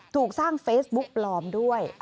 ถูกสร้างเฟซบุ๊กปลอมด้วย